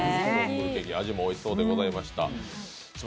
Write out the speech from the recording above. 味もおいしそうでございました。